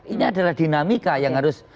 ini adalah dinamika yang harus